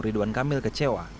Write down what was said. ridwan kamil kecewa